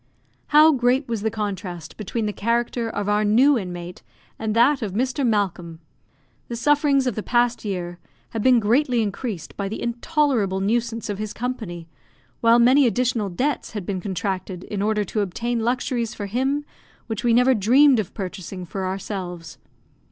How great was the contrast between the character of our new inmate and that of Mr. Malcolm! The sufferings of the past year had been greatly increased by the intolerable nuisance of his company, while many additional debts had been contracted in order to obtain luxuries for him which we never dreamed of purchasing for ourselves.